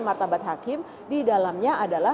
martabat hakim di dalamnya adalah